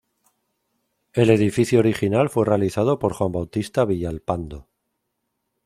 El edificio original fue realizado por Juan Bautista Villalpando.